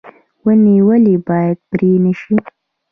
ونې ولې باید پرې نشي؟